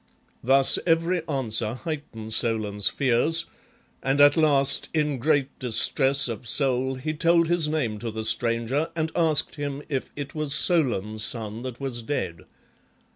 Thus every answer heightened Solon's fears, and at last, in great distress of soul, he told his name to the stranger and asked him if it was Solon's son that was dead.